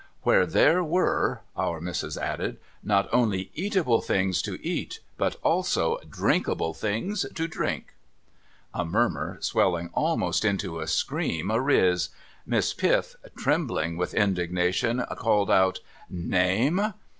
' Where there were,' Our Missis added, ' not only eatable things to eat, but also drinkable things to drink ?' A murmur, swelling almost into a scream, ariz. Miss Piff, trembling with indignation, called out, 'Name?'